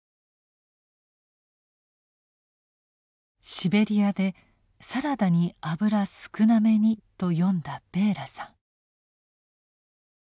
シベリアで「サラダに油少なめに」と詠んだベーラさん。